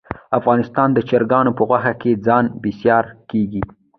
افغانستان د چرګانو په غوښه ځان بسیا کیږي